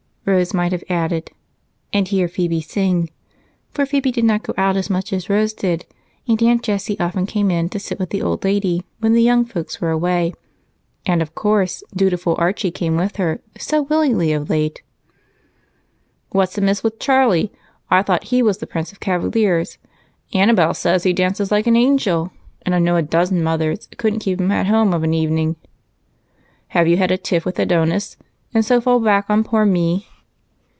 Rose might have added, "And hear Phebe sing," for Phebe did not go out as much as Rose did, and Aunt Jessie often came to sit with the old lady when the young folks were away and, of course, dutiful Archie came with her, so willingly of late! "What's amiss with Charlie? I thought he was the prince of cavaliers. Annabel says he dances 'like an angel,' and I know a dozen mothers couldn't keep him at home of an evening. Have you had a tiff with Adonis and so fall back on poor me?"